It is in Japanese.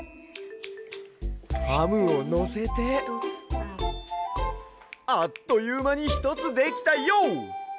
ハムをのせてあっというまにひとつできたＹＯ！